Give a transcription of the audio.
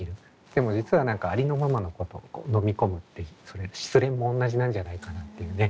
でも実は何かありのままのことを飲み込むって失恋も同じなんじゃないかなっていうね。